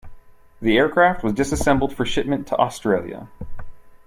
The aircraft was disassembled for shipment to Australia.